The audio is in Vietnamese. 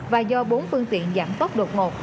và do bốn phương tiện giảm tốc đột ngột